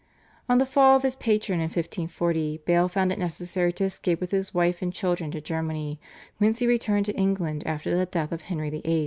On the fall of his patron in 1540 Bale found it necessary to escape with his wife and children to Germany, whence he returned to England after the death of Henry VIII.